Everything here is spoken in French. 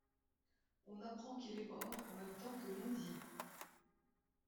On apprend qu’il est mort en même temps que Lundi.